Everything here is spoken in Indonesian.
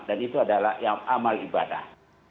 dan itu adalah yang amal ibadah